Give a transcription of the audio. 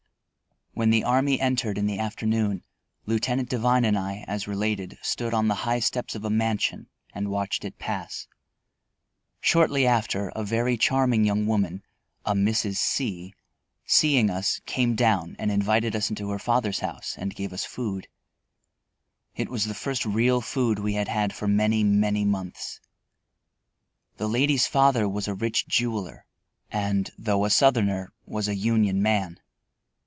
_ When the army entered in the afternoon, Lieutenant Devine and I, as related, stood on the high steps of a mansion and watched it pass. Shortly after a very charming young woman, a Mrs. C , seeing us, came down and invited us into her father's house and gave us food. It was the first real food we had had for many, many months. The lady's father was a rich jeweler, and, though a Southerner, was a Union man.